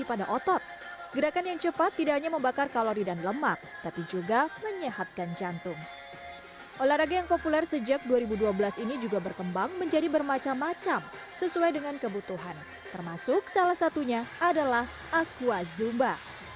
ada bermacam macam sesuai dengan kebutuhan termasuk salah satunya adalah aqua zumba